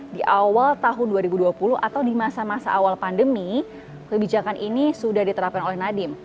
di awal tahun dua ribu dua puluh atau di masa masa awal pandemi kebijakan ini sudah diterapkan oleh nadiem